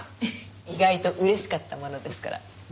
意外と嬉しかったものですから。